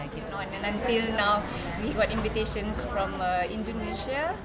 dan sampai sekarang kita mendapatkan pembawaan dari indonesia